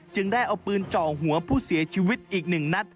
ได้เอาปืนเจาะหัวผู้เสียชีวิตอีก๑นัด